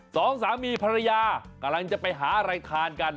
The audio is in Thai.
สองสามีภรรยากำลังจะไปหาอะไรทานกัน